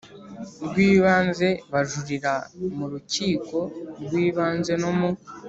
rw Ibanze bajurira mu Rukiko rw Ibanze no mu